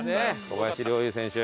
小林陵侑選手。